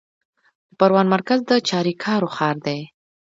د پروان مرکز د چاریکارو ښار دی